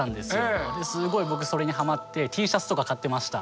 すごい僕それにはまってＴシャツとか買ってました。